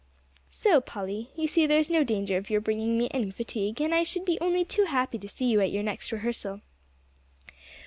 "So, Polly, you see there is no danger of your bringing me any fatigue, and I should be only too happy to see you at your next rehearsal."